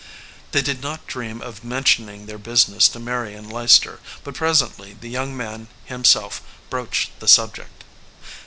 They did not dream of mentioning their business to Marion Leicester ; but presently the young man himself broached the subject.